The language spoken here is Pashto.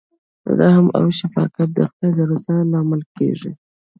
رحم او شفقت د خدای د رضا لامل کیږي.